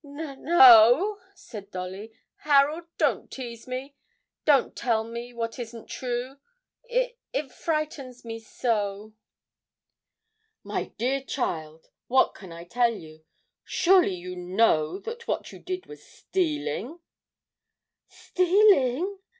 'N no,' said Dolly; 'Harold, don't tease me don't tell me what isn't true ... it it frightens me so!' 'My dear child, what can I tell you? Surely you know that what you did was stealing?' 'Stealing!'